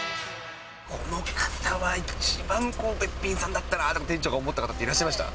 この方は一番べっぴんさんだったなと店長が思った方っていらっしゃいました？